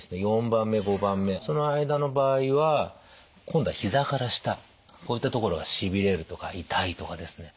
４番目５番目その間の場合は今度は膝から下こういったところがしびれるとか痛いとかですね